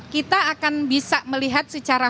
kita akan bisa melihat secara